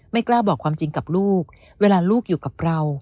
กล้าบอกความจริงกับลูกเวลาลูกอยู่กับเรา